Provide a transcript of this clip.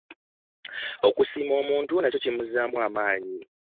Okusiima omuntu nakyo kimuzzaamu amaanyi.